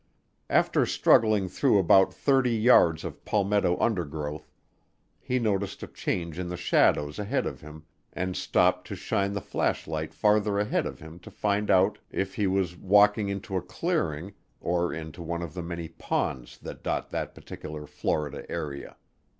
After struggling through about 30 yards of palmetto undergrowth, he noticed a change in the shadows ahead of him and stopped to shine the flashlight farther ahead of him to find out if he was walking into a clearing or into one of the many ponds that dot that particular Florida area.